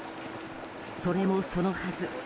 それもそのはず